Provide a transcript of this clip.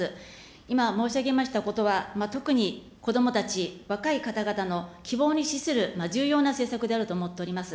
今申し上げましたことは、特にこどもたち、若い方々の希望に資する重要な政策であると思っております。